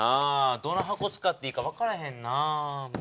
どの箱使っていいか分からへんなあ。